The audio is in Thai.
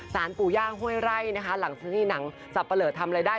ปู่ย่างห้วยไร่นะคะหลังจากที่หนังสับปะเหลอทำอะไรได้